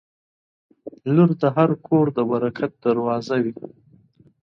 • لور د هر کور د برکت دروازه وي.